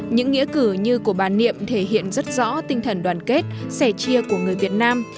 những nghĩa cử như của bà niệm thể hiện rất rõ tinh thần đoàn kết sẻ chia của người việt nam